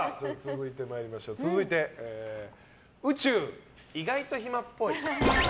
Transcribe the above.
続いて、宇宙、意外と暇っぽい。